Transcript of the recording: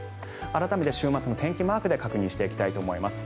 改めて週末の天気マークで確認していきたいと思います。